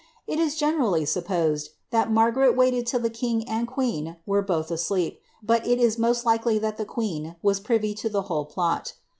It is generaHr inpposed thai Margaret waited (ill the king and queen were both asleep, bul it is most likely that the queen was privy to the whole plot.